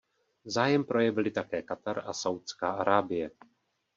Zájem projevili také Katar a Saúdská Arábie.